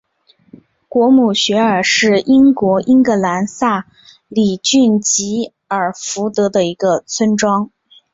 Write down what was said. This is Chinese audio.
果姆雪尔是英国英格兰萨里郡吉尔福德的一个村庄。